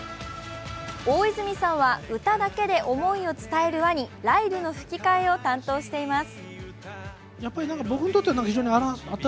大泉さんは歌だけで思いを伝えるワニ、ライルの吹き替えを担当しています。